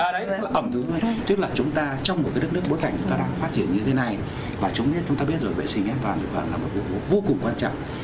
đấy ẩm thực thông minh tức là chúng ta trong một cái đất nước bối cảnh chúng ta đang phát triển như thế này và chúng ta biết rồi vệ sinh an toàn là một vụ vô cùng quan trọng